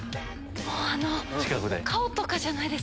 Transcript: もう顔とかじゃないです。